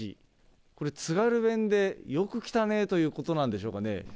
これ、津軽弁でよく来たねということなんでしょうかね。